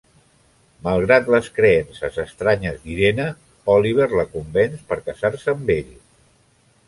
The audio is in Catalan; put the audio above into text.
Malgrat les creences estranyes d'Irena, Oliver la convenç per casar-se amb ell.